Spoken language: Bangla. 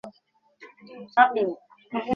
আমার কি তাহলে তোকে কাল নিতে আসতে হবে?